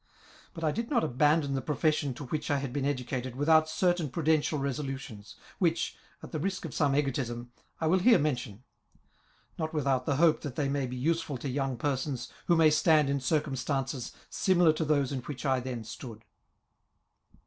But I did not abandon the profession to ^ which I had been educated, without certain prudential resolutions, which, at the risk of some egotism, I will here mention ; not without the hope that they may be useful to young persons who may stand in circumstances similar to those in which I then stood.